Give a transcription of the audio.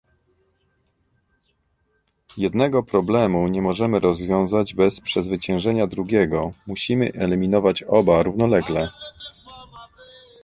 Jednego problemu nie możemy rozwiązać bez przezwyciężenia drugiego, musimy eliminować oba równolegle